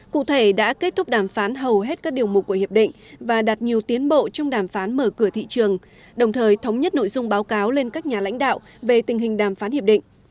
cụ thể đã kết thúc đàm phán hầu hết các điều mục của hiệp định và đạt nhiều tiến bộ trong đàm phán mở cửa thị trường đồng thời thống nhất nội dung báo cáo lên các nhà lãnh đạo về tình hình đàm phán hiệp định